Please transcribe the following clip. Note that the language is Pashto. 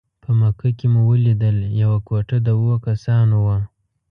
په مکه کې مو ولیدل یوه کوټه د اوو کسانو وه.